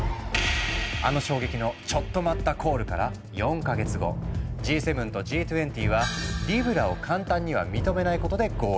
あの衝撃のチョット待ったコールから４か月後Ｇ７とＧ２０はリブラを簡単には認めないことで合意。